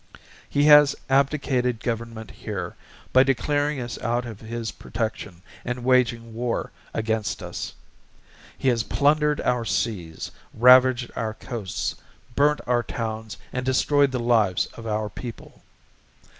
He has abdicated Government here, by declaring us out of his Protection and waging War against us. He has plundered our seas, ravaged our Coasts, burnt our towns, and destroyed the lives of our people.